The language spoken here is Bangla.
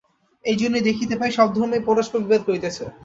এইজন্যই দেখিতে পাই, সব ধর্মই পরস্পর বিবাদ করিতেছে।